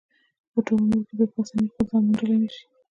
په ټول عمر کې بیا په اسانۍ خپل ځان موندلی نشي.